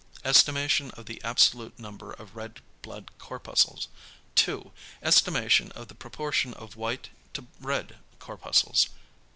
Estimation of the absolute number of red blood corpuscles. 2. Estimation of the proportion of white to red corpuscles.